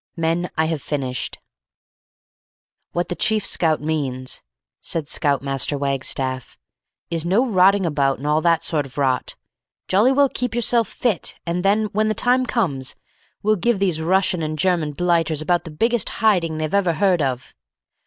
Men, I have finished." "What the Chief Scout means," said Scout master Wagstaff, "is no rotting about and all that sort of rot. Jolly well keep yourselves fit, and then, when the time comes, we'll give these Russian and German blighters about the biggest hiding they've ever heard of.